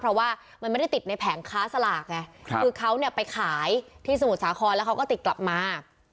เพราะว่ามันไม่ได้ติดในแผงค้าสลากไงคือเขาเนี่ยไปขายที่สมุทรสาครแล้วเขาก็ติดกลับมา